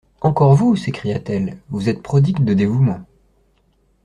Encore vous ! s'écria-t-elle ; vous êtes prodigue de dévouement.